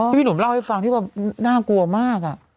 พี่หนุ่มเล่าให้ฟังที่ว่าน่ากลัวมาก